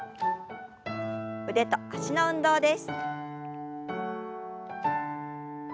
腕と脚の運動です。